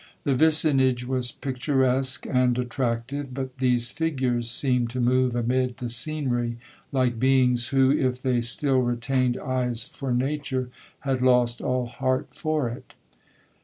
The vicinage was picturesque and attractive, but these figures seemed to move amid the scenery like beings, who, if they still retained eyes for nature, had lost all heart for it.